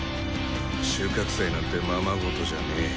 収穫祭なんてままごとじゃねえ。